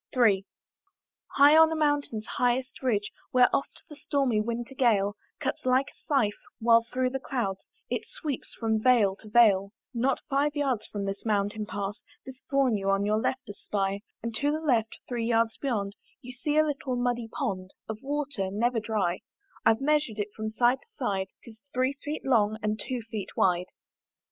III. High on a mountain's highest ridge, Where oft the stormy winter gale Cuts like a scythe, while through the clouds It sweeps from vale to vale; Not five yards from the mountain path, This thorn you on your left espy; And to the left, three yards beyond, You see a little muddy pond Of water, never dry; I've measured it from side to side: 'Tis three feet long, and two feet wide.